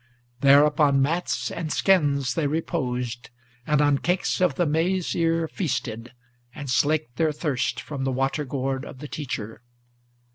There upon mats and skins they reposed, and on cakes of the maize ear Feasted, and slaked their thirst from the water gourd of the teacher.